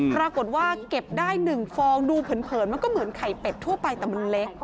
ปรากฏว่าเก็บได้๑ฟองดูเผินมันก็เหมือนไข่เป็ดทั่วไปแต่มันเล็ก